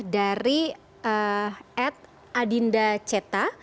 dari at adindaceta